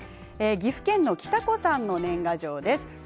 岐阜県のきたこさんの年賀状です。